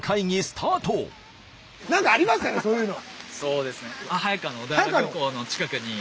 何かありますかねそういうの。